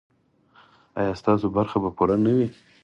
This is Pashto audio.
ایا ستاسو برخه به پوره نه وي؟